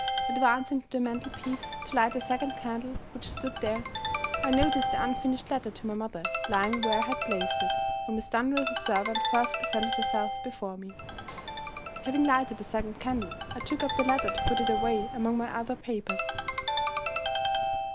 Advancing to the mantel piece to light the second candle which stood there, I noticed the unfinished letter to my mother lying where I had placed it, when Miss Dunross's servant first presented herself before me. Having lighted the second candle, I took up the letter to put it away among my other papers.